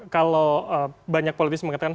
kalau banyak politis mengatakan